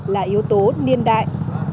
là yếu tố niên đại